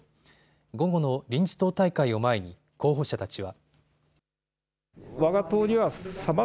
午後の臨時党大会を前に候補者たちは。